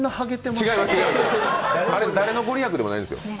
違いますよ、あれ、誰の御利益でもないんですよ。